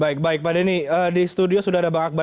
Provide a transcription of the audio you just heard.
baik baik pak denny di studio sudah ada bang akbar